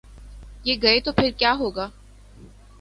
یہ گئے تو پھر کیا ہو گا؟